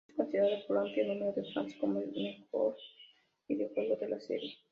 Es considerado por amplio número de fans como el mejor videojuego de la serie.